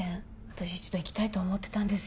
私一度行きたいと思ってたんです